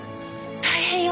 「大変よ！